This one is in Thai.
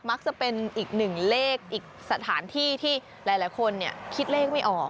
จะเป็นอีกหนึ่งเลขอีกสถานที่ที่หลายคนคิดเลขไม่ออก